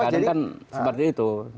ya kan seperti itu